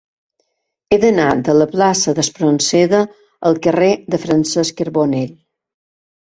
He d'anar de la plaça d'Espronceda al carrer de Francesc Carbonell.